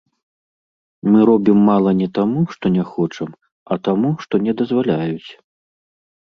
Мы робім мала не таму, што не хочам, а таму, што не дазваляюць.